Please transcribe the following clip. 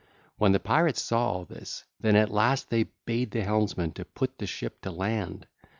When the pirates saw all this, then at last they bade the helmsman to put the ship to land.